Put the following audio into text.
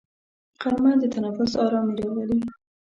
غرمه د تنفس ارامي راولي